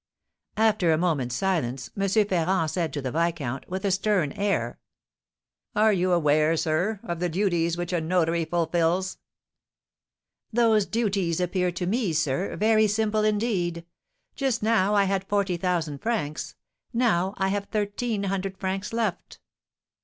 After a moment's silence, M. Ferrand said to the viscount, with a stern air: "Are you aware, sir, of the duties which a notary fulfils?" "Those duties appear to me, sir, very simple indeed; just now I had forty thousand francs, now I have thirteen hundred francs left."